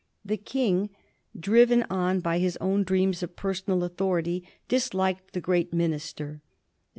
The King, driven on by his own dreams of personal authority, disliked the great minister.